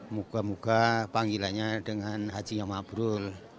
moga moga panggilannya dengan haji yang mabrul